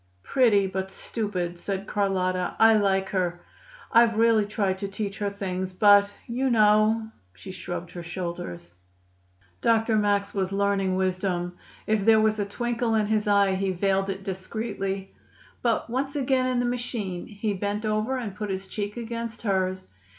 "Pretty, but stupid," said Carlotta. "I like her. I've really tried to teach her things, but you know " She shrugged her shoulders. Dr. Max was learning wisdom. If there was a twinkle in his eye, he veiled it discreetly. But, once again in the machine, he bent over and put his cheek against hers.